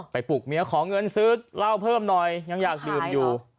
ปลุกเมียขอเงินซื้อเหล้าเพิ่มหน่อยยังอยากดื่มอยู่